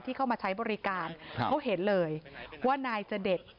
เข้ามาใช้บริการเขาเห็นเลยว่านายเสด็จ